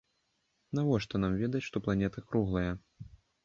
Навошта нам ведаць, што планета круглая?